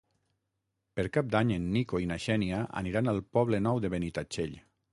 Per Cap d'Any en Nico i na Xènia aniran al Poble Nou de Benitatxell.